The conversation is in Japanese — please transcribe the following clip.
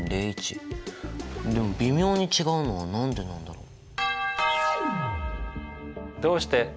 でも微妙に違うのは何でなんだろう？